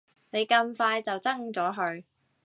你咁快就憎咗佢